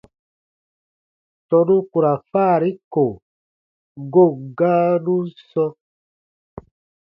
Tɔnu ku ra faari ko goon gãanun sɔ̃.